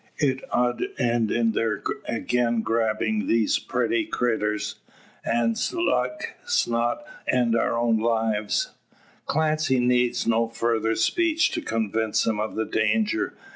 It 'ud end in their again grabbin' these pretty critters, an' 's like 's not end our own lives." Clancy needs no further speech to convince him of the danger.